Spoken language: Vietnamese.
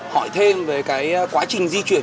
hỏi thêm về cái quá trình di chuyển